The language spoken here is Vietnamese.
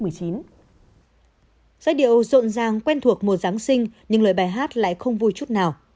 giai điệu rộn ràng quen thuộc mùa giáng sinh nhưng lời bài hát lại không vui chút nào